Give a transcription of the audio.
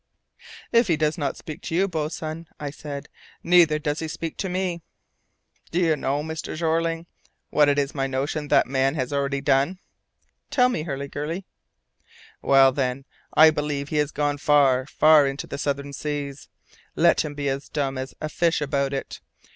"If he does not speak to you, boatswain," I said, "neither does he speak to me." "Do you know, Mr. Jeorling, what it is my notion that man has already done?" "Tell me, Hurliguerly." "Well, then, I believe he has gone far, far into the southern seas, let him be as dumb as a fish about it.